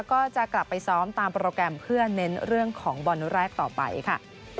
ก็จะกลับไปซ้อมตามโปรแกรมเพื่อเน้นเรื่องของบอลแรกต่อไปค่ะ